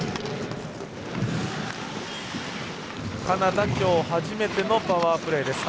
カナダ、きょう初めてのパワープレー。